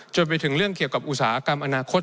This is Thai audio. จนไปถึงเรื่องเกี่ยวกับอุตสาหกรรมอนาคต